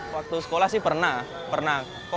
waktu sekolah sih pernah pernah